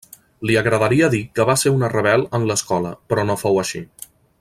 Li agradaria dir que va ser una rebel en l'escola però no fou així.